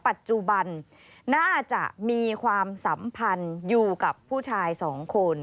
ปัจจุบันน่าจะมีความสัมพันธ์อยู่กับผู้ชายสองคน